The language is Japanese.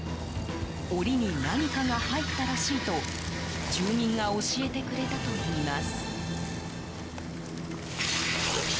檻に何かが入ったらしいと住民が教えてくれたといいます。